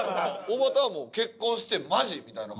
おばたはもう結婚してマジ？みたいな感じ。